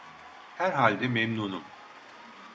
Herhalde memnunum…